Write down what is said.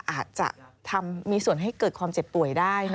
อาจจะมีส่วนให้เกิดความเจ็บป่วยได้